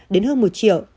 đến hơn một triệu